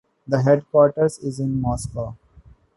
The headquarters is in Moscow.